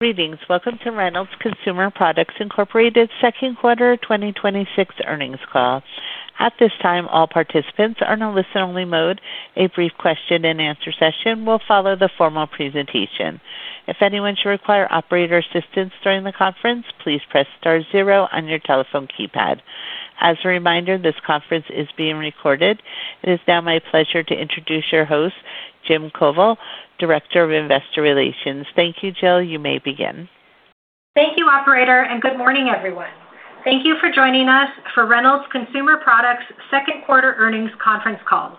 Greetings. Welcome to Reynolds Consumer Products Inc. Second Quarter 2026 Earnings Conference Call. At this time, all participants are in a listen-only mode. A brief question and answer session will follow the formal presentation. If anyone should require operator assistance during the conference, please press star zero on your telephone keypad. As a reminder, this conference is being recorded. It is now my pleasure to introduce your host, Jill Koval, Director of Investor Relations. Thank you, Jill. You may begin. Thank you, operator. Good morning, everyone. Thank you for joining us for Reynolds Consumer Products Second Quarter Earnings Conference Call.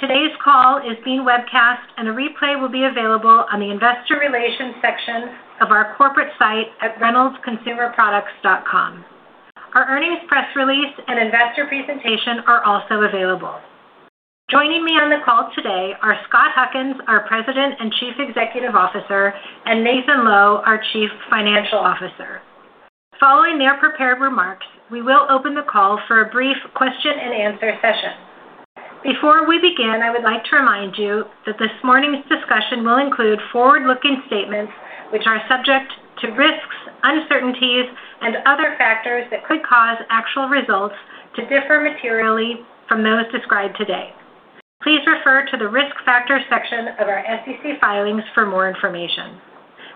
Today's call is being webcast, and a replay will be available on the investor relations section of our corporate site at reynoldsconsumerproducts.com. Our earnings press release and investor presentation are also available. Joining me on the call today are Scott Huckins, our President and Chief Executive Officer, and Nathan Lowe, our Chief Financial Officer. Following their prepared remarks, we will open the call for a brief question and answer session. Before we begin, I would like to remind you that this morning's discussion will include forward-looking statements, which are subject to risks, uncertainties, and other factors that could cause actual results to differ materially from those described today. Please refer to the Risk Factors section of our SEC filings for more information.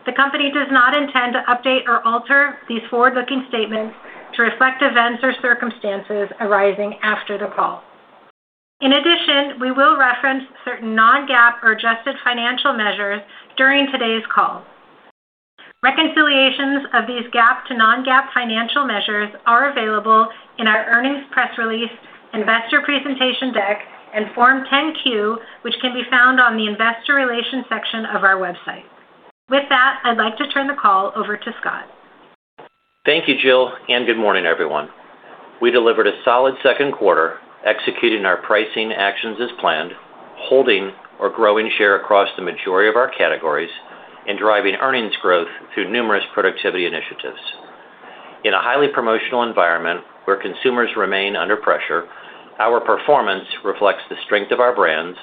The company does not intend to update or alter these forward-looking statements to reflect events or circumstances arising after the call. In addition, we will reference certain non-GAAP or adjusted financial measures during today's call. Reconciliations of these GAAP to non-GAAP financial measures are available in our earnings press release, investor presentation deck, and Form 10-Q, which can be found on the investor relations section of our website. With that, I'd like to turn the call over to Scott. Thank you, Jill. Good morning, everyone. We delivered a solid second quarter, executing our pricing actions as planned, holding or growing share across the majority of our categories, and driving earnings growth through numerous productivity initiatives. In a highly promotional environment where consumers remain under pressure, our performance reflects the strength of our brands,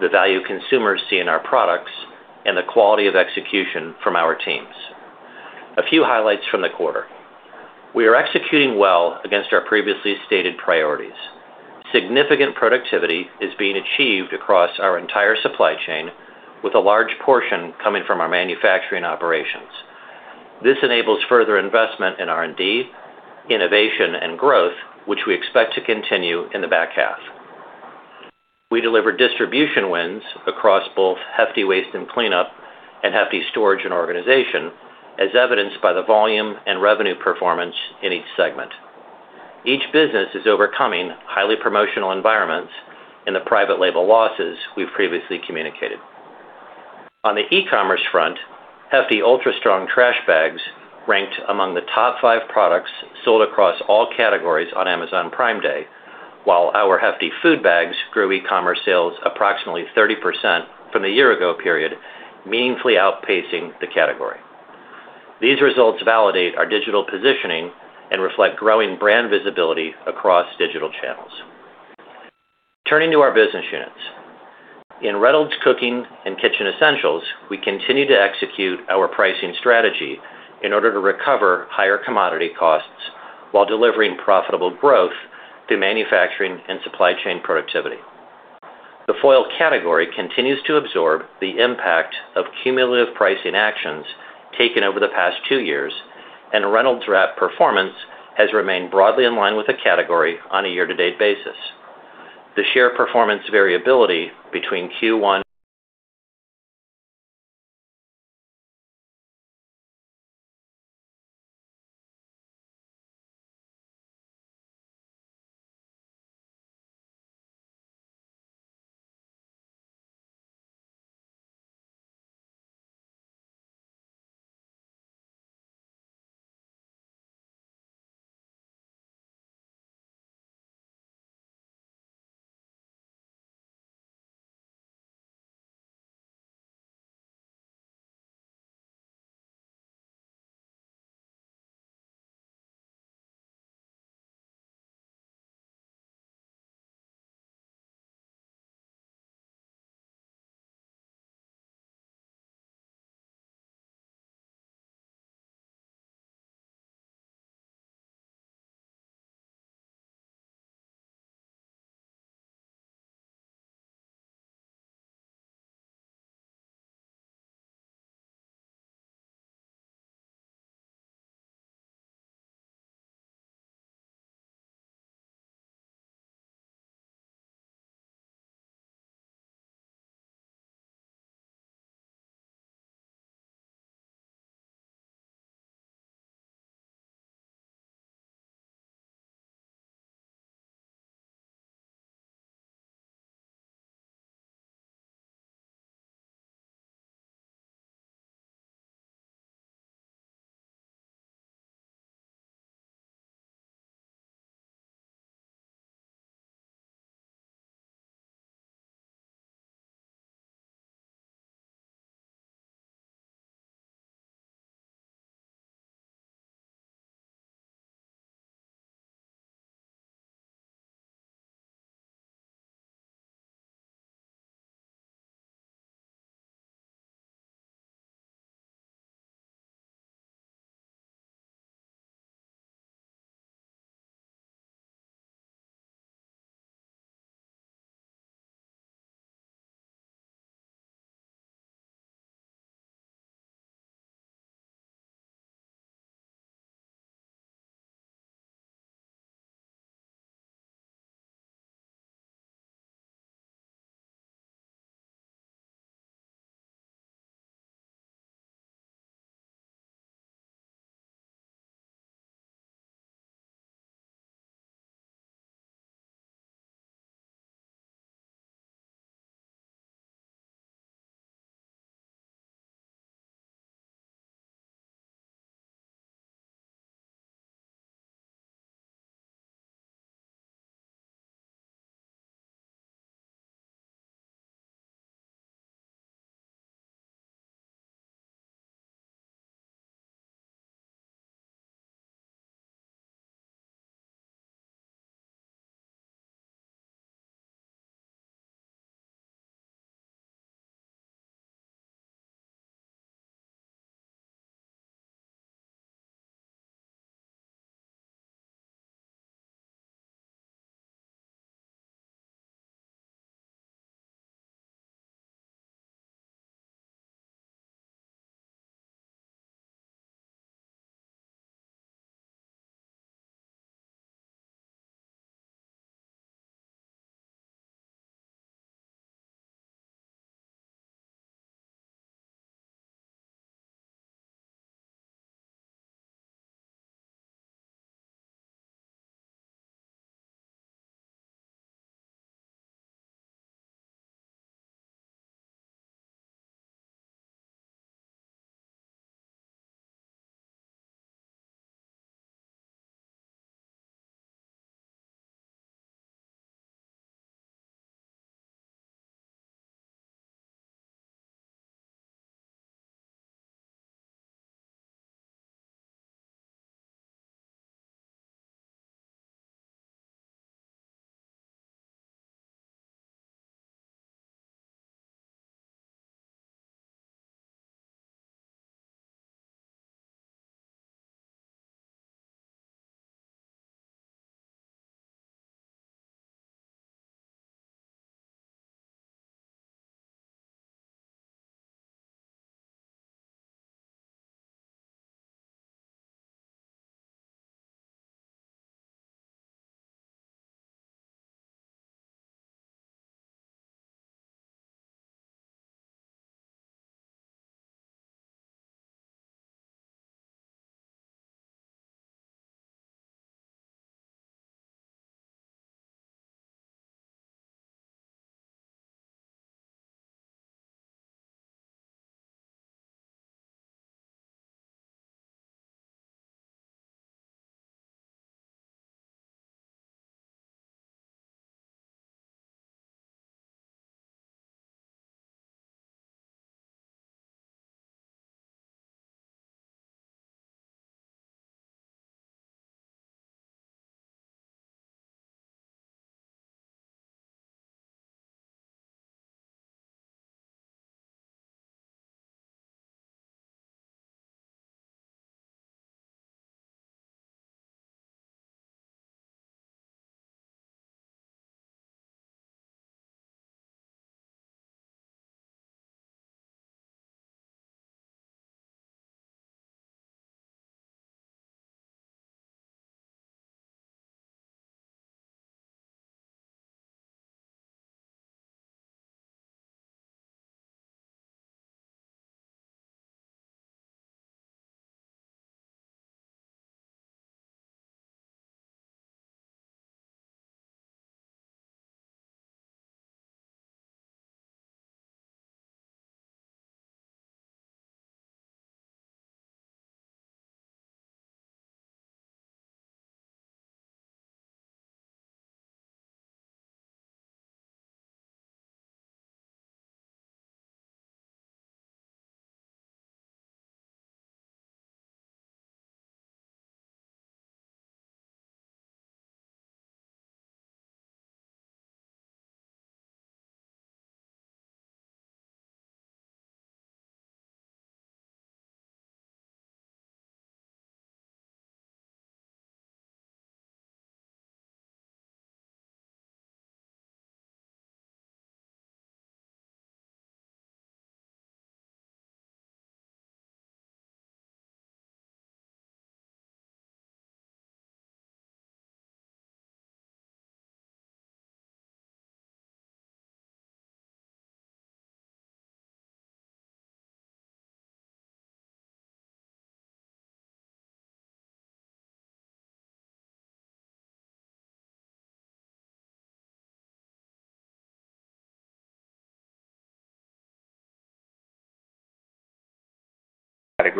the value consumers see in our products, and the quality of execution from our teams. A few highlights from the quarter. We are executing well against our previously stated priorities. Significant productivity is being achieved across our entire supply chain, with a large portion coming from our manufacturing operations. This enables further investment in R&D, innovation, and growth, which we expect to continue in the back half. We delivered distribution wins across both Hefty Waste & Clean-Up and Hefty Storage & Organization, as evidenced by the volume and revenue performance in each segment. Each business is overcoming highly promotional environments and the private label losses we've previously communicated. On the e-commerce front, Hefty Ultra Strong trash bags ranked among the top five products sold across all categories on Amazon Prime Day, while our Hefty food bags grew e-commerce sales approximately 30% from the year ago period, meaningfully outpacing the category. These results validate our digital positioning and reflect growing brand visibility across digital channels. Turning to our business units. In Reynolds Cooking & Kitchen Essentials, we continue to execute our pricing strategy in order to recover higher commodity costs while delivering profitable growth through manufacturing and supply chain productivity. The foil category continues to absorb the impact of cumulative pricing actions taken over the past two years, and Reynolds Wrap performance has remained broadly in line with the category on a year-to-date basis. The share performance variability between Q1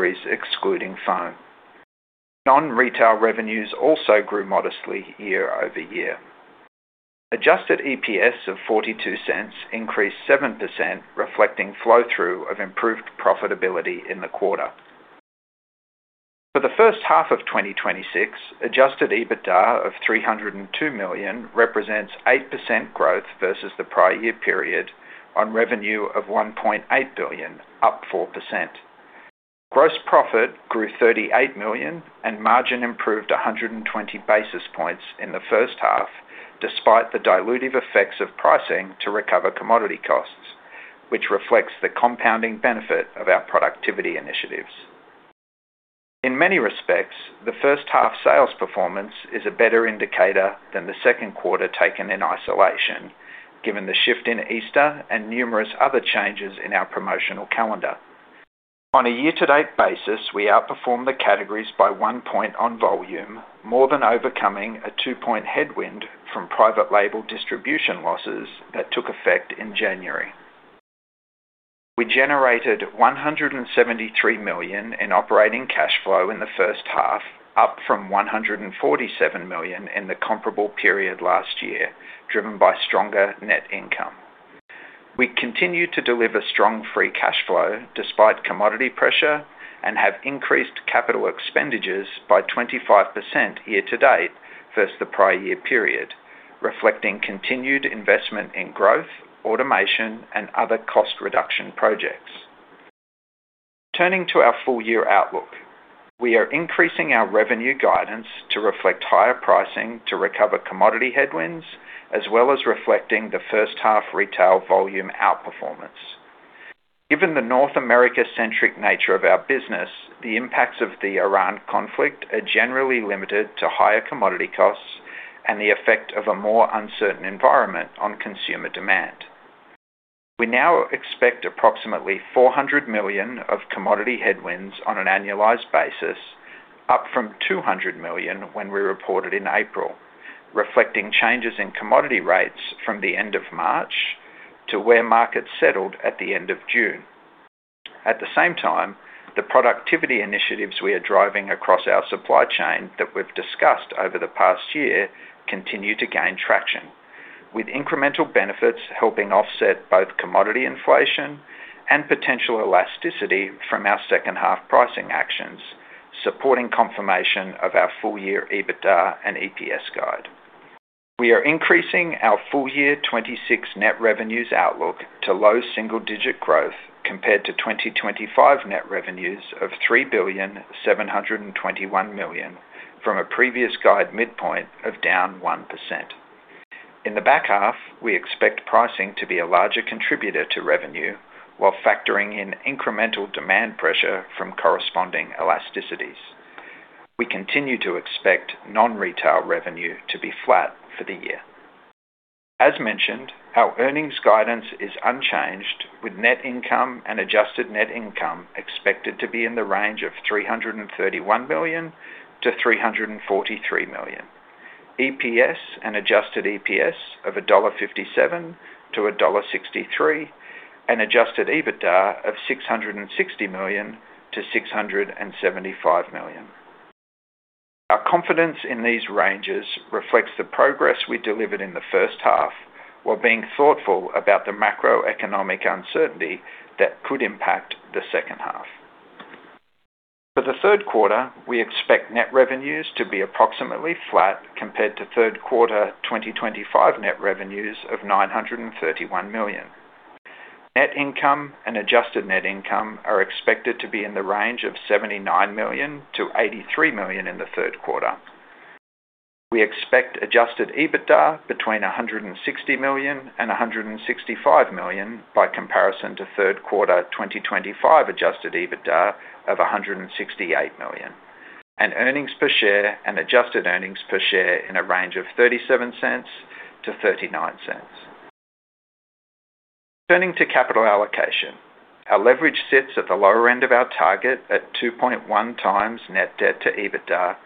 Categories excluding foam. Non-retail revenues also grew modestly year-over-year. Adjusted EPS of $0.42 increased 7%, reflecting flow-through of improved profitability in the quarter. The first half of 2026, adjusted EBITDA of $302 million represents 8% growth versus the prior year period on revenue of $1.8 billion, up 4%. Gross profit grew $38 million and margin improved 120 basis points in the first half, despite the dilutive effects of pricing to recover commodity costs, which reflects the compounding benefit of our productivity initiatives. In many respects, the first half sales performance is a better indicator than the second quarter taken in isolation, given the shift in Easter and numerous other changes in our promotional calendar. On a year-to-date basis, we outperform the categories by one point on volume, more than overcoming a two-point headwind from private label distribution losses that took effect in January. We generated $173 million in operating cash flow in the first half, up from $147 million in the comparable period last year, driven by stronger net income. We continue to deliver strong free cash flow despite commodity pressure and have increased capital expenditures by 25% year-to-date versus the prior year period, reflecting continued investment in growth, automation, and other cost reduction projects. Turning to our full year outlook. We are increasing our revenue guidance to reflect higher pricing to recover commodity headwinds, as well as reflecting the first half retail volume outperformance. Given the North America-centric nature of our business, the impacts of the Iran conflict are generally limited to higher commodity costs and the effect of a more uncertain environment on consumer demand. We now expect approximately $400 million of commodity headwinds on an annualized basis, up from $200 million when we reported in April, reflecting changes in commodity rates from the end of March to where markets settled at the end of June. At the same time, the productivity initiatives we are driving across our supply chain that we've discussed over the past year continue to gain traction, with incremental benefits helping offset both commodity inflation and potential elasticity from our second half pricing actions, supporting confirmation of our full year EBITDA and EPS guide. We are increasing our full year 2026 net revenues outlook to 1% to 3% growth compared to 2025 net revenues of $3.721 billion from a previous guide midpoint of down 1%. In the back half, we expect pricing to be a larger contributor to revenue while factoring in incremental demand pressure from corresponding elasticities. We continue to expect non-retail revenue to be flat for the year. As mentioned, our earnings guidance is unchanged with net income and adjusted net income expected to be in the range of $331 million-$343 million. EPS and adjusted EPS of $1.57-$1.63, and adjusted EBITDA of $660 million-$675 million. Our confidence in these ranges reflects the progress we delivered in the first half while being thoughtful about the macroeconomic uncertainty that could impact the second half. For the third quarter, we expect net revenues to be approximately flat compared to third quarter 2025 net revenues of $931 million. Net income and adjusted net income are expected to be in the range of $79 million-$83 million in the third quarter. We expect adjusted EBITDA between $160 million and $165 million by comparison to third quarter 2025 adjusted EBITDA of $168 million, and earnings per share and adjusted earnings per share in a range of $0.37-$0.39. Turning to capital allocation. Our leverage sits at the lower end of our target at 2.1x net debt to EBITDA.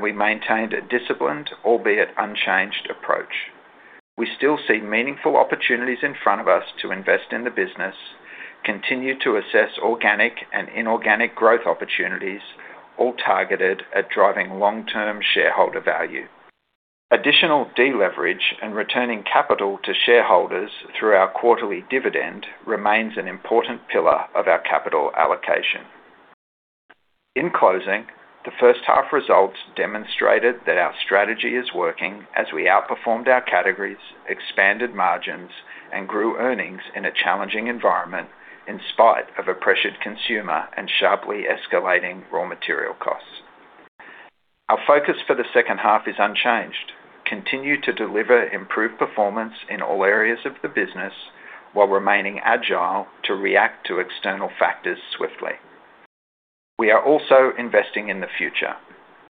We maintained a disciplined, albeit unchanged approach. We still see meaningful opportunities in front of us to invest in the business, continue to assess organic and inorganic growth opportunities, all targeted at driving long-term shareholder value. Additional deleverage and returning capital to shareholders through our quarterly dividend remains an important pillar of our capital allocation. In closing, the first half results demonstrated that our strategy is working as we outperformed our categories, expanded margins, and grew earnings in a challenging environment in spite of a pressured consumer and sharply escalating raw material costs. Our focus for the second half is unchanged. Continue to deliver improved performance in all areas of the business while remaining agile to react to external factors swiftly. We are also investing in the future.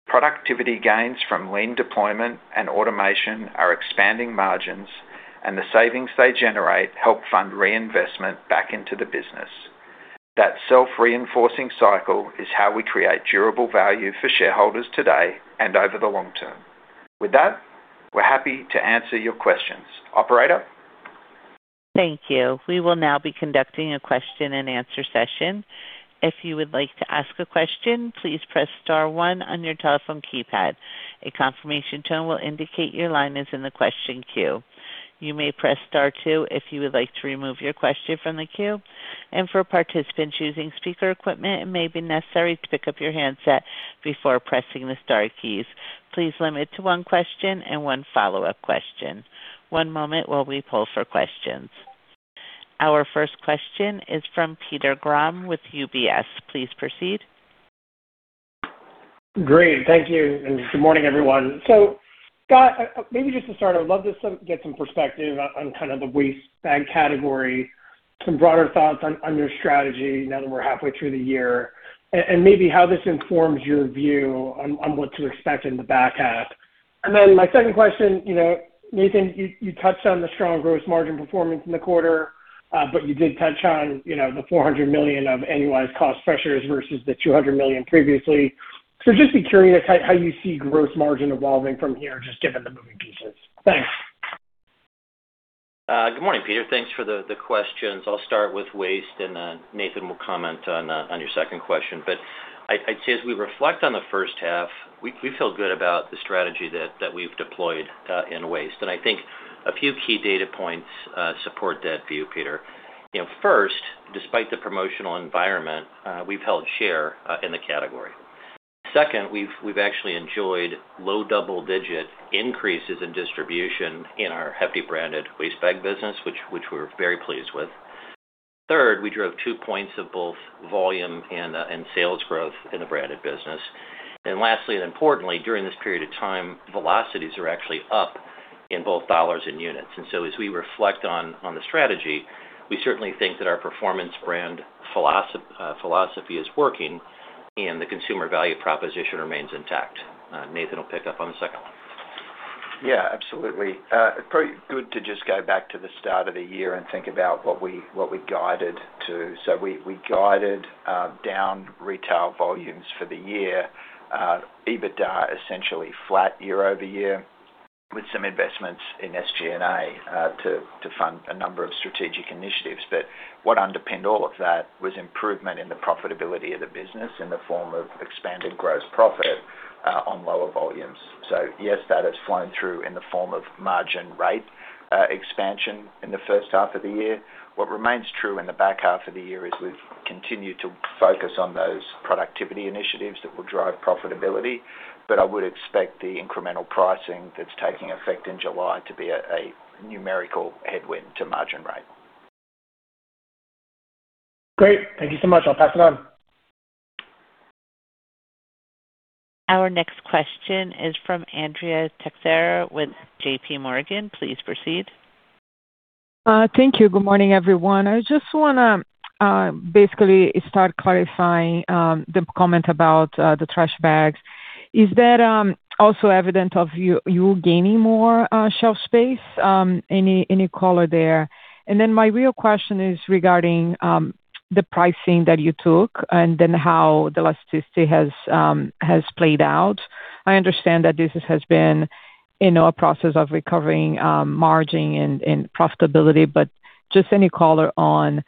Productivity gains from lean deployment and automation are expanding margins. The savings they generate help fund reinvestment back into the business. That self-reinforcing cycle is how we create durable value for shareholders today and over the long term. With that, we're happy to answer your questions. Operator? Thank you. We will now be conducting a question and answer session. If you would like to ask a question, please press star one on your telephone keypad. A confirmation tone will indicate your line is in the question queue. You may press star two if you would like to remove your question from the queue. For participants using speaker equipment, it may be necessary to pick up your handset before pressing the star keys. Please limit to one question and one follow-up question. One moment while we pull for questions. Our first question is from Peter Grom with UBS. Please proceed. Great. Thank you, and good morning, everyone. Scott, maybe just to start, I would love to get some perspective on kind of the waste bag category, some broader thoughts on your strategy now that we're halfway through the year, and maybe how this informs your view on what to expect in the back half. My second question, Nathan, you touched on the strong gross margin performance in the quarter, but you did touch on the $400 million of annualized cost pressures versus the $200 million previously. Just be curious how you see gross margin evolving from here, just given the moving pieces. Thanks. Good morning, Peter. Thanks for the questions. I'll start with waste, and then Nathan will comment on your second question. I'd say as we reflect on the first half, we feel good about the strategy that we've deployed in waste. I think a few key data points support that view, Peter. First, despite the promotional environment, we've held share in the category. Second, we've actually enjoyed low double-digit increases in distribution in our Hefty-branded waste bag business, which we're very pleased with. Third, we drove two points of both volume and sales growth in the branded business. Lastly, and importantly, during this period of time, velocities are actually up in both dollars and units. As we reflect on the strategy, we certainly think that our performance brand philosophy is working and the consumer value proposition remains intact. Nathan will pick up on the second one. Absolutely. Probably good to just go back to the start of the year and think about what we guided to. We guided down retail volumes for the year, EBITDA, essentially flat year-over-year, with some investments in SG&A to fund a number of strategic initiatives. What underpinned all of that was improvement in the profitability of the business in the form of expanded gross profit on lower volumes. Yes, that has flown through in the form of margin rate expansion in the first half of the year. What remains true in the back half of the year is we've continued to focus on those productivity initiatives that will drive profitability, but I would expect the incremental pricing that's taking effect in July to be a numerical headwind to margin rate. Great. Thank you so much. I'll pass it on. Our next question is from Andrea Teixeira with JPMorgan. Please proceed. Thank you. Good morning, everyone. I just want to basically start clarifying the comment about the trash bags. Is that also evident of you gaining more shelf space? Any color there? My real question is regarding the pricing that you took and then how the elasticity has played out. I understand that this has been in a process of recovering margin and profitability, but just any color on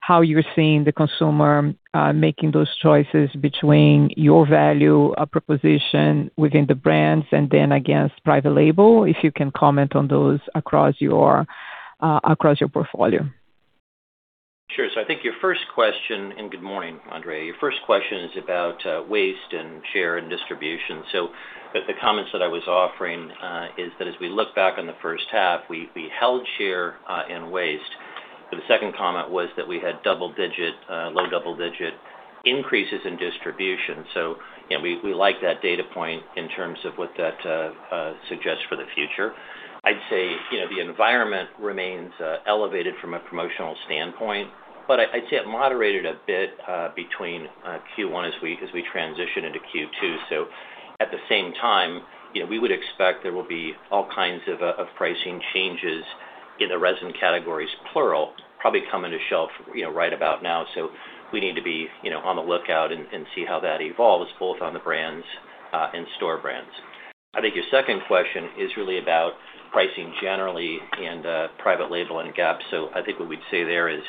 how you're seeing the consumer making those choices between your value proposition within the brands and then against private label, if you can comment on those across your portfolio. Sure. I think your first question, and good morning, Andrea, your first question is about waste and share and distribution. The comments that I was offering is that as we look back on the first half, we held share in waste. The second comment was that we had low double-digit increases in distribution. We like that data point in terms of what that suggests for the future. I'd say the environment remains elevated from a promotional standpoint, but I'd say it moderated a bit between Q1 as we transition into Q2. At the same time, we would expect there will be all kinds of pricing changes in the resin categories, plural, probably coming to shelf right about now. We need to be on the lookout and see how that evolves, both on the brands and store brands. I think your second question is really about pricing generally and private label and GAAP. I think what we'd say there is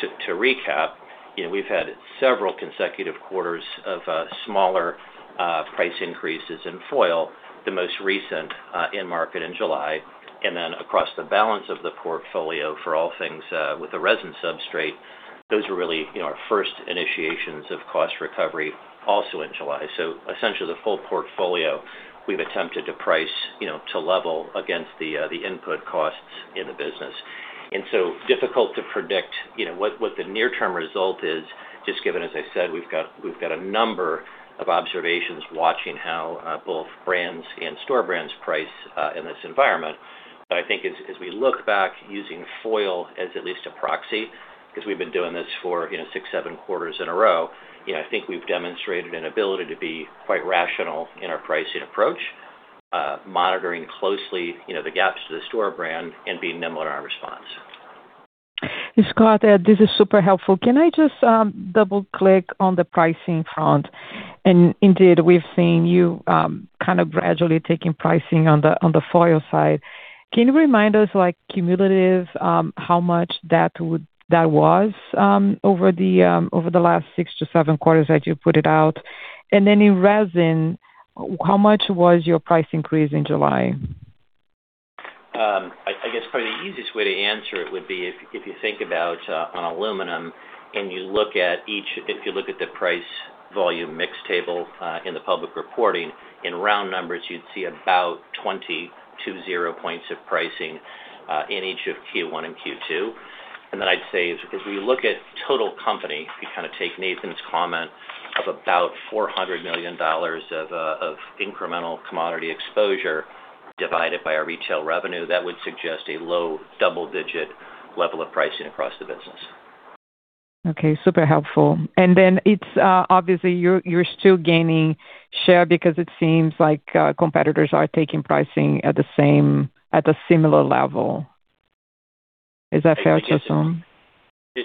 to recap, we've had several consecutive quarters of smaller price increases in foil, the most recent in market in July, and then across the balance of the portfolio for all things with the resin substrate, those are really our first initiations of cost recovery also in July. Essentially the full portfolio we've attempted to price to level against the input costs in the business. Difficult to predict what the near term result is just given, as I said, we've got a number of observations watching how both brands and store brands price in this environment. I think as we look back using foil as at least a proxy, because we've been doing this for six, seven quarters in a row, I think we've demonstrated an ability to be quite rational in our pricing approach, monitoring closely the gaps to the store brand and being nimble in our response. Scott, this is super helpful. Can I just double-click on the pricing front? Indeed, we've seen you kind of gradually taking pricing on the foil side. Can you remind us, like cumulative, how much that was over the last six to seven quarters that you put it out? In resin, how much was your price increase in July? I guess probably the easiest way to answer it would be if you think about on aluminum and if you look at the price volume mix table in the public reporting, in round numbers, you'd see about 20 points of pricing, in each of Q1 and Q2. I'd say as we look at total company, if you take Nathan's comment of about $400 million of incremental commodity exposure divided by our retail revenue, that would suggest a low double-digit level of pricing across the business. Okay. Super helpful. Obviously, you're still gaining share because it seems like competitors are taking pricing at a similar level. Is that fair to assume? You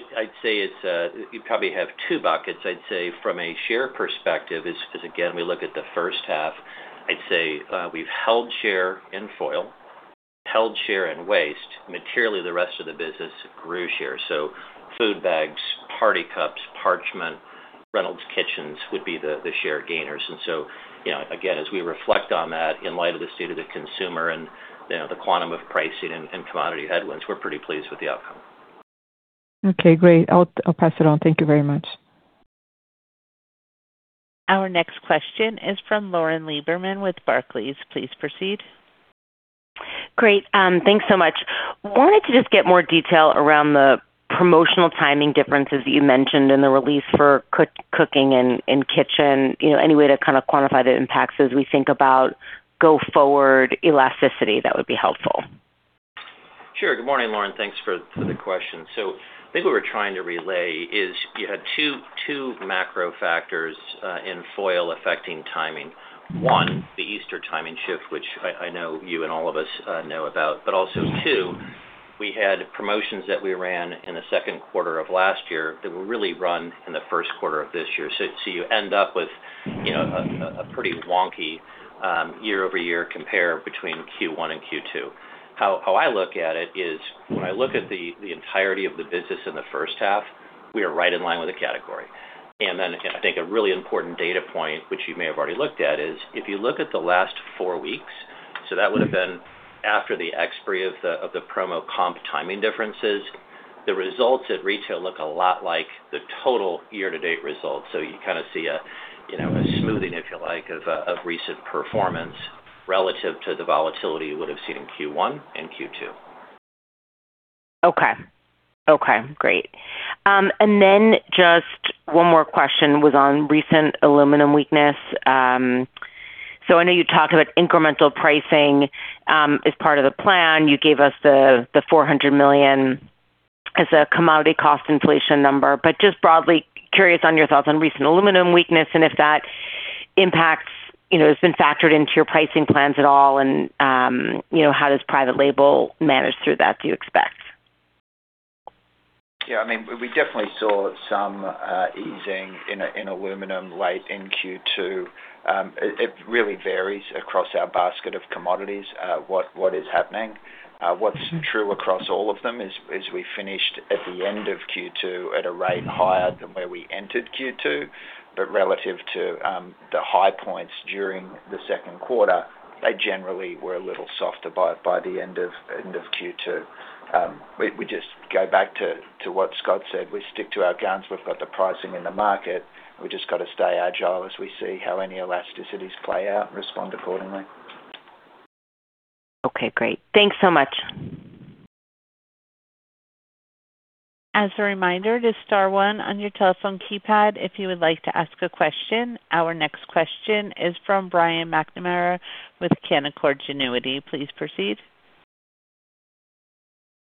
probably have two buckets. I'd say from a share perspective, as again, we look at the first half, I'd say we've held share in foil, held share in waste. Materially, the rest of the business grew share. Food bags, party cups, parchment, Reynolds Kitchens would be the share gainers. Again, as we reflect on that in light of the state of the consumer and the quantum of pricing and commodity headwinds, we're pretty pleased with the outcome. Okay, great. I'll pass it on. Thank you very much. Our next question is from Lauren Lieberman with Barclays. Please proceed. Great. Thanks so much. Wanted to just get more detail around the promotional timing differences that you mentioned in the release for Cooking & Kitchen. Any way to kind of quantify the impacts as we think about go forward elasticity, that would be helpful. Sure. Good morning, Lauren. Thanks for the question. I think what we're trying to relay is you had two macro factors, in foil affecting timing. One, the Easter timing shift, which I know you and all of us know about, but also two, we had promotions that we ran in the second quarter of last year that were really run in the first quarter of this year. You end up with a pretty wonky year-over-year compare between Q1 and Q2. How I look at it is when I look at the entirety of the business in the first half, we are right in line with the category. I think a really important data point, which you may have already looked at, is if you look at the last four weeks, that would have been after the expiry of the promo comp timing differences, the results at retail look a lot like the total year-to-date results. You kind of see a smoothing, if you like, of recent performance relative to the volatility you would have seen in Q1 and Q2. Okay. Great. Just one more question was on recent aluminum weakness. I know you talked about incremental pricing, as part of the plan. You gave us the $400 million as a commodity cost inflation number. Just broadly, curious on your thoughts on recent aluminum weakness and if that has been factored into your pricing plans at all, and how does private label manage through that, do you expect? Yeah, we definitely saw some easing in aluminum late in Q2. It really varies across our basket of commodities, what is happening. What's true across all of them is we finished at the end of Q2 at a rate higher than where we entered Q2. Relative to the high points during the second quarter, they generally were a little softer by the end of Q2. We just go back to what Scott said, we stick to our guns. We've got the pricing in the market. We've just got to stay agile as we see how any elasticities play out and respond accordingly. Okay, great. Thanks so much. As a reminder, it is star one on your telephone keypad if you would like to ask a question. Our next question is from Brian McNamara with Canaccord Genuity. Please proceed.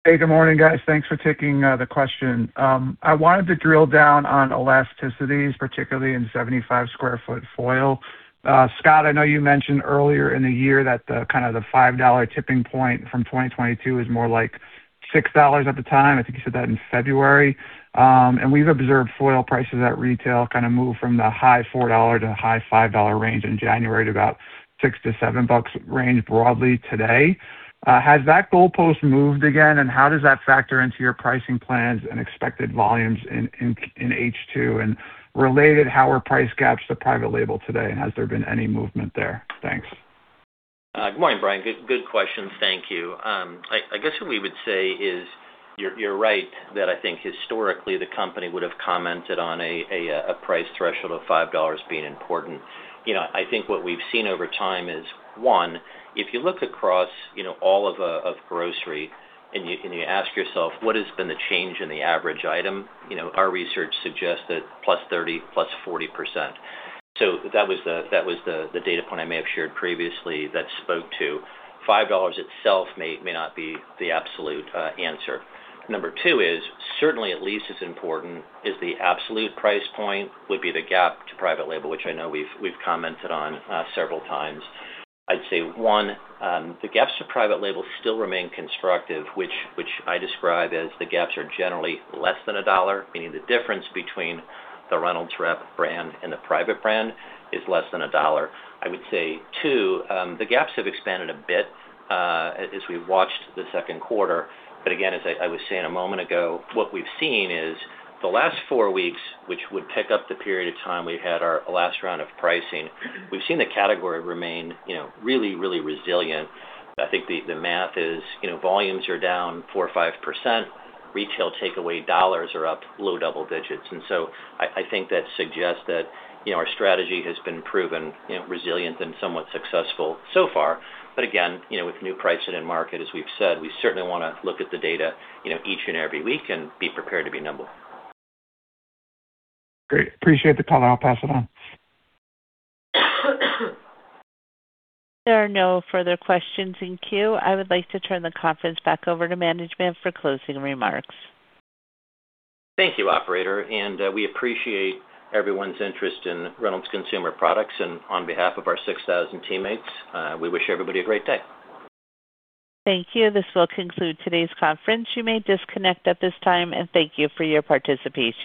Hey, good morning, guys. Thanks for taking the question. I wanted to drill down on elasticities, particularly in 75 sq ft foil. Scott, I know you mentioned earlier in the year that the $5 tipping point from 2022 is more like $6 at the time. I think you said that in February. We've observed foil prices at retail kind of move from the high $4 to the high $5 range in January to about $6-$7 range broadly today. Has that goalpost moved again, and how does that factor into your pricing plans and expected volumes in H2? Related, how are price gaps to private label today, and has there been any movement there? Thanks. Good morning, Brian. Good question. Thank you. I guess what we would say is, you're right that I think historically the company would have commented on a price threshold of $5 being important. I think what we've seen over time is, one, if you look across all of grocery and you ask yourself what has been the change in the average item, our research suggests that +30%, +40%. That was the data point I may have shared previously that spoke to $5 itself may not be the absolute answer. Number two is certainly at least as important is the absolute price point would be the gap to private label, which I know we've commented on several times. I'd say, one, the gaps to private label still remain constructive, which I describe as the gaps are generally less than $1, meaning the difference between the Reynolds Wrap brand and the private brand is less than $1. I would say, two, the gaps have expanded a bit as we've watched the Q2. Again, as I was saying a moment ago, what we've seen is the last four weeks, which would pick up the period of time we had our last round of pricing, we've seen the category remain really resilient. I think the math is volumes are down 4% or 5%, retail takeaway dollars are up low double digits. I think that suggests that our strategy has been proven resilient and somewhat successful so far. Again, with new pricing in market, as we've said, we certainly want to look at the data each and every week and be prepared to be nimble. Great. Appreciate the call. I'll pass it on. There are no further questions in queue. I would like to turn the conference back over to management for closing remarks. Thank you, operator. We appreciate everyone's interest in Reynolds Consumer Products. On behalf of our 6,000 teammates, we wish everybody a great day. Thank you. This will conclude today's conference. You may disconnect at this time, and thank you for your participation.